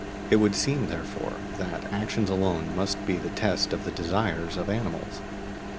It would seem, therefore, that actions alone must be the test of the desires of animals.